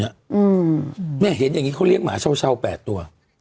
เนี่ยอืมเนี่ยเห็นอย่างงี้เขาเรียกหมาเช่าเช่าแปดตัว